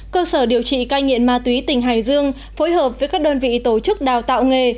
cơ sở điều trị cai nghiện ma túy tỉnh hải dương phối hợp với các đơn vị tổ chức đào tạo nghề